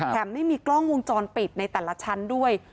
ไม่มีกล้องวงจรปิดในแต่ละชั้นด้วย